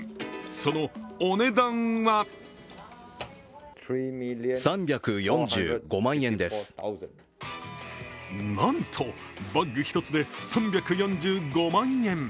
そのお値段はなんとバッグ１つで３４５万円。